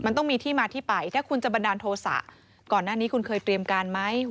มันต้องมีที่มาที่ไปถ้าคุณจะบันดาลโทษะก่อนหน้านี้คุณเคยเตรียมการไหม